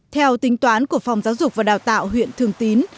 theo tính toán của phòng giáo dục và đào tạo huyện thường tín